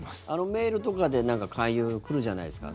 メールとかで勧誘、来るじゃないですか。